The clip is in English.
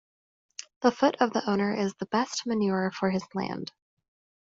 The foot of the owner is the best manure for his land.